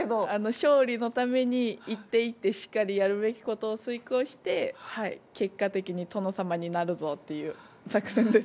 勝利のために１手１手しっかりやるべきことを遂行して結果的に殿様になるぞという作戦です。